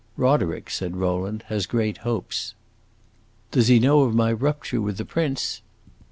"Roderick," said Rowland, "has great hopes." "Does he know of my rupture with the prince?"